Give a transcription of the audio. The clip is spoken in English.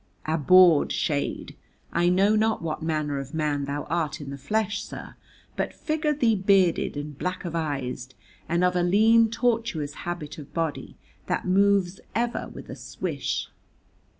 Abhorred shade! I know not what manner of man thou art in the flesh, sir, but figure thee bearded and blackavised, and of a lean tortuous habit of body, that moves ever with a swish.